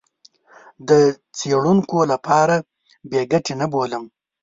د څېړونکو لپاره بې ګټې نه بولم.